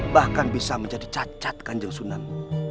bahkan bisa menjadi cacat kan yusunan